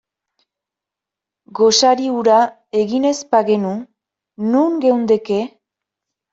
Gosari hura egin ez bagenu, non geundeke?